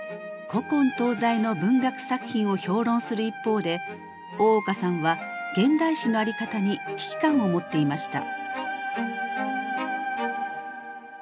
古今東西の文学作品を評論する一方で大岡さんは現代詩の在り方に危機感を持っていました。